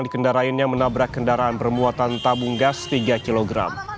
pemilik toko pakaian yang dikendarainnya menabrak kendaraan bermuatan tabung gas tiga kg